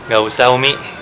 gak usah umi